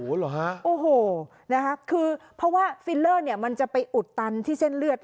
โอโหหรอฮะโอโหนะครับคือเพราะว่าฟิลเลอร์มันจะไปอุดตันที่เส้นเลือด